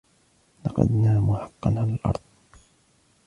لقد ناموا حقا على الأرض.